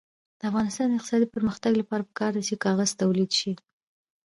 د افغانستان د اقتصادي پرمختګ لپاره پکار ده چې کاغذ تولید شي.